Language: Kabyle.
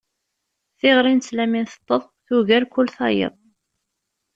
Tiɣri nesla mi nteṭṭeḍ, tugar kul tayeḍ.